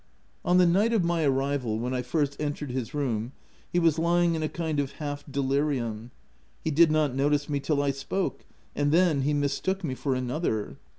On the night of my arrival, when I first entered his room, he was lying in a kind of half delirium. He did not notice me till I spoke ; and then, he mis took me tor another.